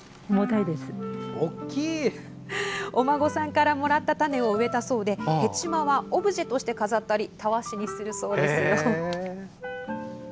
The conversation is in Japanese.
お孫さんからもらった種を植えたそうでへちまはオブジェとして飾ったりたわしにするそうですよ。